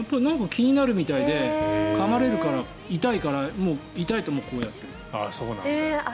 気になるみたいでかまれるから痛いから痛いと、もうこうやってる。